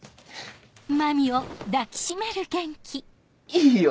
いいよ！